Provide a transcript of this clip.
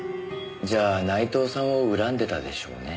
じゃあ内藤さんを恨んでたでしょうね。